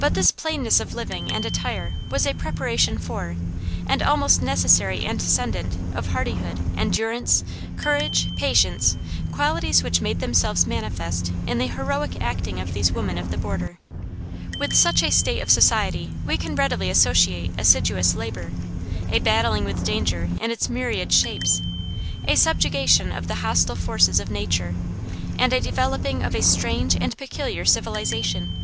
But this plainness of living and attire was a preparation for, and almost necessary antecedent of hardihood, endurance, courage, patience, qualities which made themselves manifest in the heroic acting of these women of the border. With such a state of society we can readily associate assiduous labor, a battling with danger in its myriad shapes, a subjugation of the hostile forces of nature, and a developing of a strange and peculiar civilization.